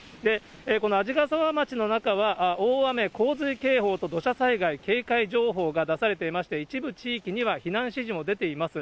この鰺ヶ沢町の中は大雨洪水警報と土砂災害警戒情報が出されていまして、一部地域には、避難指示も出ています。